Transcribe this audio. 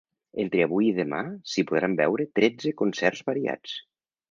Entre avui i demà s’hi podran veure tretze concerts variats.